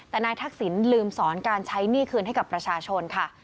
แต่นายทักษิณลืมสอนการใช้หนี้คืนให้กับประชาชนค่ะ